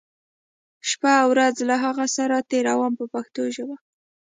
شپه او ورځ له هغو سره تېروم په پښتو ژبه.